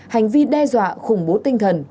hành vi đe dọa khủng bố tinh thần